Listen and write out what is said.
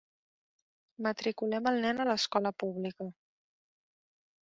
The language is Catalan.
Matriculem el nen a l'escola pública.